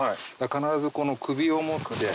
必ずこの首を持って。